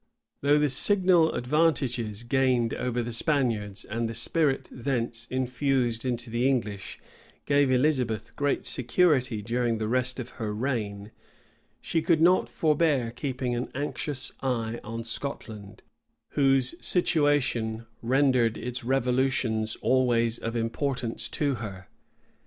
[*] Though the signal advantages gained over the Spaniards, and the spirit thence infused into the English, gave Elizabeth great security during the rest of her reign, she could not forbear keeping an anxious eye on Scotland, whose situation rendered its revolutions always of importance to her.